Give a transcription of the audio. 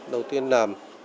đầu tiên là